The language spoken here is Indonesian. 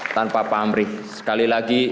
tanpa pamrih sekali lagi